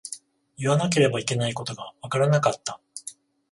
言わなければいけないことがわからなかった。